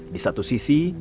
di satu sisi